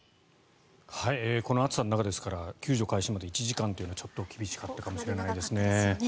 この暑さの中ですから救助開始まで１時間というのはちょっと厳しかったかもしれないですね。